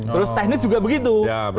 terus teknis juga begitu